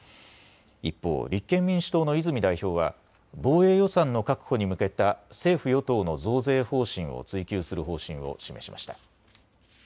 一方、立憲民主党の泉代表は防衛予算の確保に向けた政府与党の増税方針を追及する方針を示しました。